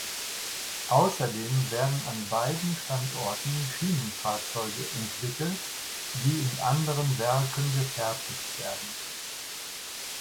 Außerdem werden an beiden Standorten Schienenfahrzeuge entwickelt, die in anderen Werken gefertigt werden.